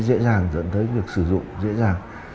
cái lời đấy dễ dàng dẫn tới việc sử dụng dễ dàng